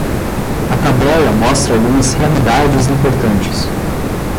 A tabela mostra algumas realidades importantes.